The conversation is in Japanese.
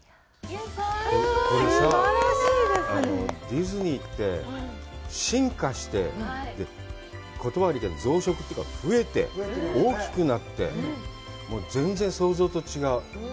ディズニーって、進化して、言葉は悪いけど、増殖というか、増えて、大きくなって、全然想像と違う。